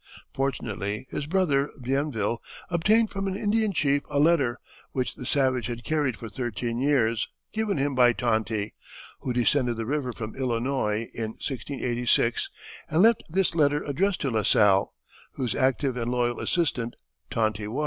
Fortunately his brother, Bienville, obtained from an Indian chief a letter, which the savage had carried for thirteen years, given him by Tonti, who descended the river from Illinois in 1686 and left this letter addressed to La Salle, whose active and loyal assistant Tonti was.